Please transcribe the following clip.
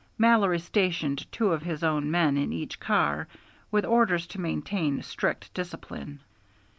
Mallory stationed two of his own men in each car with orders to maintain strict discipline.